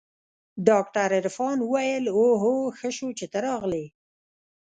ډاکتر عرفان وويل اوهو ښه شو چې ته راغلې.